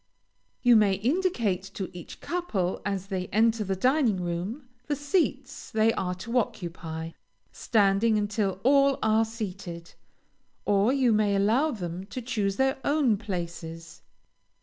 You may indicate to each couple, as they enter the dining room, the seats they are to occupy, standing until all are seated, or you may allow them to choose their own places.